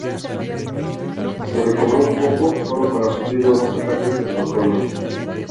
Se recobró un poco, sólo para sufrir nuevos ataques en el otoño.